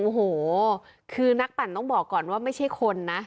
โอ้โหคือนักปั่นต้องบอกก่อนว่าไม่ใช่คนนะ